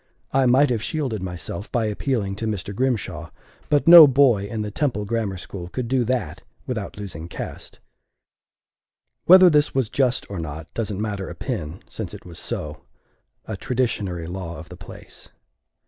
I might have shielded myself by appealing to Mr. Grimshaw; but no boy in the Temple Grammar School could do that without losing caste. Whether this was just or not doesn't matter a pin, since it was so a traditionary law of the place.